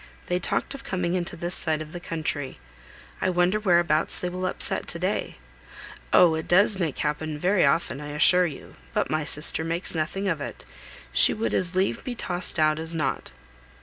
They talked of coming into this side of the country. I wonder whereabouts they will upset to day. Oh! it does happen very often, I assure you; but my sister makes nothing of it; she would as lieve be tossed out as not."